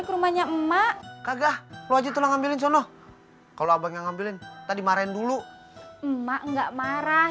ke rumahnya emak kagak wajah ngambilin sono kalau abang ngambilin tadi maren dulu emak nggak marah